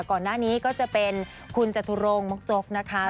ก่อนหน้านี้ก็จะเป็นคุณจตุรงมกจกนะคะ